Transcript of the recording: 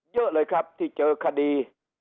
เยอะเลยครับที่เจอคดี